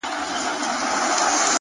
وخت د حقیقت تر ټولو وفادار شاهد دی.!